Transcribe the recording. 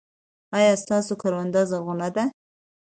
ایا ستاسو کرونده زرغونه ده؟